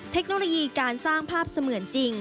เทคโนโลยีการสร้างภาพเสมือนจริง